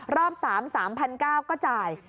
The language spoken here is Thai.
รอบ๓๐๐๐๓๙๐๐ยายก็จ่าย